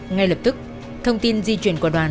ngay lập tức thông tin di chuyển của đoàn